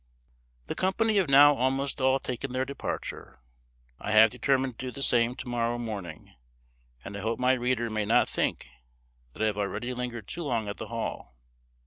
The company have now almost all taken their departure. I have determined to do the same to morrow morning; and I hope my reader may not think that I have already lingered too long at the Hall.